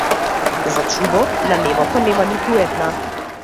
За чудо, на небото нема ниту една.